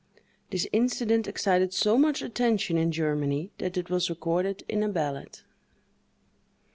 This incident excited so much attention in Germany that it was recorded in a ballad.